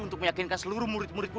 untuk meyakinkan seluruh murid murid